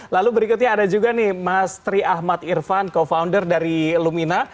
lalu berikutnya ada juga nih mas tri ahmad irfan co founder dari lumina